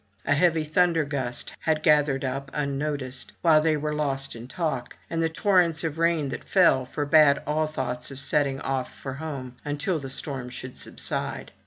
A heavy thunder gust had gathered up unnoticed, while they were lost in talk, and the torrents of rain that fell forbade all thoughts of setting off for home until the storm should subside.